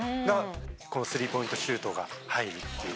このスリーポイントシュートが入るっていう。